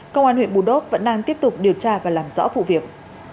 công an huyện bù đốc vẫn đang tiếp tục điều tra và làm rõ vụ việc